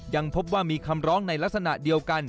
ยังพบว่ามีคำร้องในลักษณะเดียวกัน